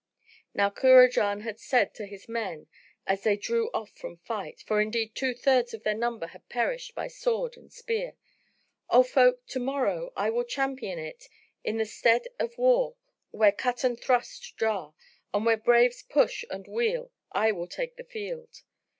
Now Kurajan had said to his men as they drew off from fight (for indeed two thirds of their number had perished by sword and spear), "O folk, to morrow, I will champion it in the stead of war where cut and thrust jar, and where braves push and wheel I will take the field."